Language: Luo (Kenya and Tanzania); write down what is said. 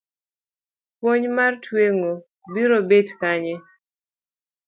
Puonj mar tweng'o biro bet kanye?